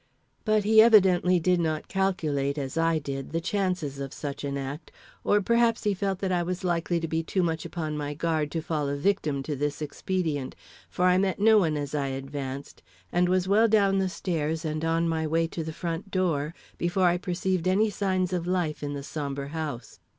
But he evidently did not calculate, as I did, the chances of such an act, or perhaps he felt that I was likely to be too much upon my guard to fall a victim to this expedient, for I met no one as I advanced, and was well down the stairs and on my way to the front door, before I perceived any signs of life in the sombre house.